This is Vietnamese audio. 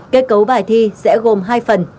kết cấu bài thi sẽ gồm hai phần